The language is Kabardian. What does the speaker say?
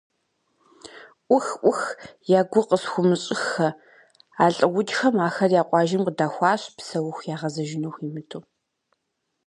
Ӏух! Ӏух! Я гугъу къысхуумыщӀыххэ а лӀыукӀхэм, ахэр я къуажэм къыдахуащ, псэуху ягъэзэжыну хуимыту.